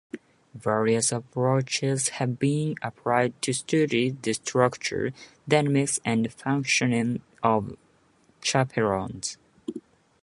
Various approaches have been applied to study the structure, dynamics and functioning of chaperones.